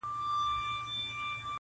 • نور وګړي به بېخوبه له غپا وي -